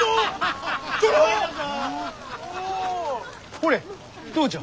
ほれどうじゃ。